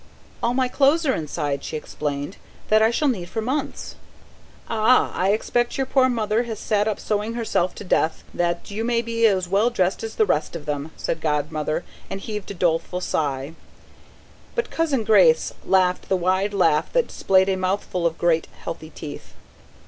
"All my clothes are inside," she explained; "that I shall need for months." "Ah, I expect your poor mother has sat up sewing herself to death, that you may be as well dressed as the rest of them," said Godmother, and heaved a doleful sigh. But Cousin Grace laughed the wide laugh that displayed a mouthful of great healthy teeth.